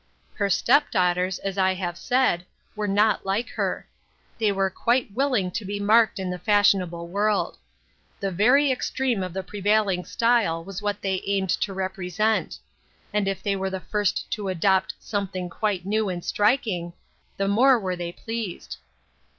Her step daughters, as I have said, were not like her. They were quite willing to be marked in the fashionable world. The very extreme of the pre vailing style was what they aimed to represent ; and if they were the first to adopt "something 24 PLANTS THAT HAD BLOSSOMED. quite new and striking," the more were they pleased.